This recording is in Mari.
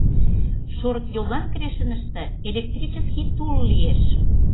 Шорыкйоллан Крешыныште электрический тул лиеш.